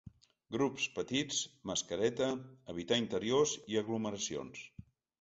Grups petits, mascareta, evitar interiors i aglomeracions.